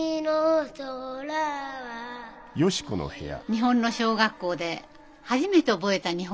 日本の小学校で初めて覚えた日本の歌。